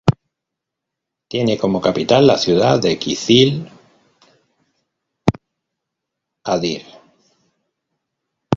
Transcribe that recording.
Tiene como capital la ciudad de Kizil-Adir.